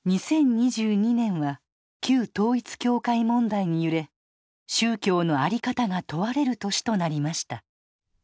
２０２２年は旧統一教会問題に揺れ宗教のあり方が問われる年となりました。